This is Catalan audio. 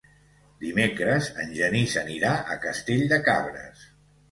Dimecres en Genís anirà a Castell de Cabres.